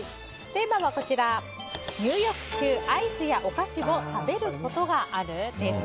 テーマは入浴中アイスやお菓子を食べることがある？です。